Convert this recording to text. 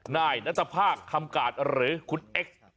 นายนัทภาคคำกาดหรือคุณเอ็กซ์